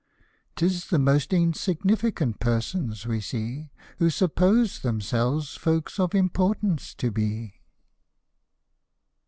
Tis the most insignificant persons, we see, Who suppose themselves folks of importance to be.